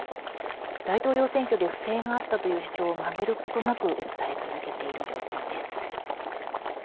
大統領選挙で不正があったという主張を曲げることなく訴え続けている状況です。